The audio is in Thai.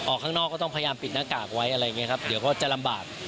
ข้างนอกก็ต้องพยายามปิดหน้ากากไว้อะไรอย่างนี้ครับเดี๋ยวก็จะลำบาก